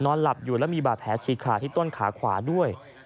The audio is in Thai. หลับอยู่แล้วมีบาดแผลฉีกขาดที่ต้นขาขวาด้วย